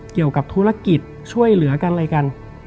เกี่ยวกับธุรกิจช่วยเหลือกันอะไรกัน